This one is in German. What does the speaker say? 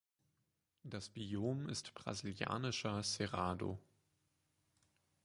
Das Biom ist brasilianischer Cerrado.